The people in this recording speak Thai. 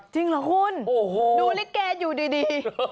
จริงเหรอคุณดูลิเกอยู่ดี